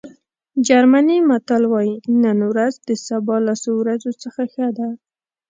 جرمني متل وایي نن ورځ د سبا لسو ورځو څخه ښه ده.